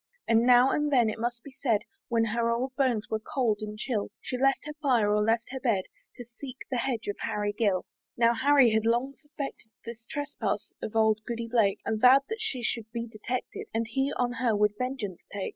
And now and then, it must be said, When her old bones were cold and chill, She left her fire, or left her bed, To seek the hedge of Harry Gill. Now Harry he had long suspected This trespass of old Goody Blake, And vow'd that she should be detected, And he on her would vengeance take.